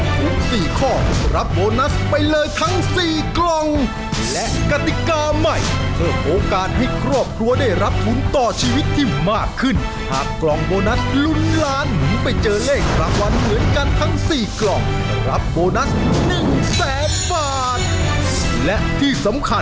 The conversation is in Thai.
ภายในเวลา๓นาที